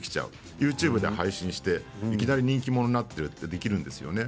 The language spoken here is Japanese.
ＹｏｕＴｕｂｅで配信していきなり人気者になっているということができるんですね。